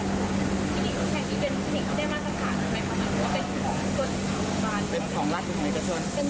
อีกหนึ่งเป็นพี่นิ่งที่ได้มาสถานที่ไหน